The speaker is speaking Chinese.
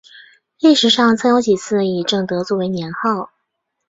历史上曾有几次以正德作为年号。